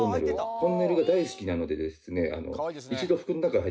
トンネルが大好きなので。